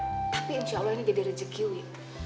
tapi insya allah ini jadi rezeki